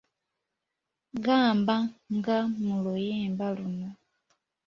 Gamba nga mu luyimba luno